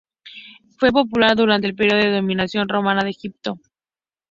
Fue popular durante el período de dominación romana de Egipto.